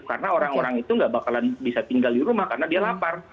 karena orang orang itu tidak bakalan bisa tinggal di rumah karena dia lapar